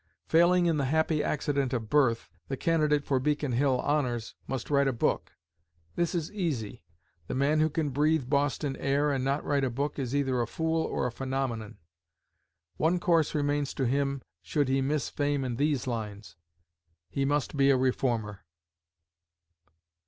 Failing in the happy accident of birth, the candidate for Beacon Hill honors must write a book. This is easy. The man who can breathe Boston air and not write a book is either a fool or a phenomenon. One course remains to him should he miss fame in these lines. He must be a reformer.